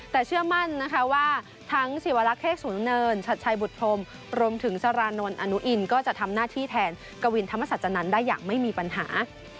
แต่เชื่อมั่นนะคะว่าทั้งศิวลักษ์เทศสูงเนินชัดชัยบุตรพรมรวมถึงสารานนท์อนุอินก็จะทำหน้าที่แทนกวินธรรมศาจนันทร์ได้อย่างไม่มีปัญหา